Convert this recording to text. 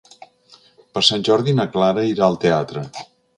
Per Sant Jordi na Clara irà al teatre.